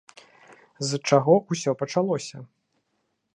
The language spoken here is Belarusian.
З чаго ўсё пачалося?